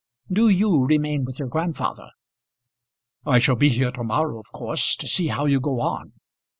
Do you remain with your grandfather." "I shall be here to morrow of course to see how you go on."